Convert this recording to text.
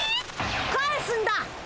返すんだ！